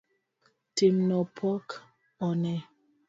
Timno pok one.